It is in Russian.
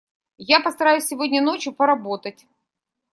Я постараюсь сегодня ночью поработать.